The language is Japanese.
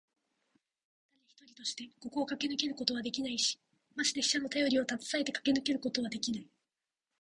だれ一人としてここをかけ抜けることはできないし、まして死者のたよりをたずさえてかけ抜けることはできない。